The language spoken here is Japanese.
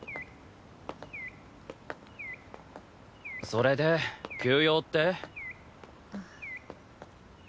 それで急用って？